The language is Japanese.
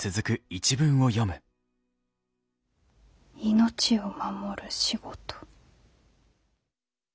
「命を守る仕事」。